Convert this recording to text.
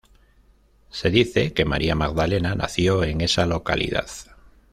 Se dice que María Magdalena nació en esa localidad.